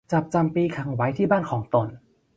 จับจำปีขังไว้ที่บ้านของตน